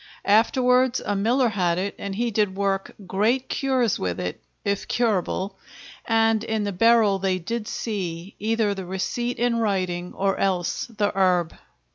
Afterwards a miller had it and he did work great cures with it (if curable), and in the Beryl they did see, either the receipt in writing, or else the herb.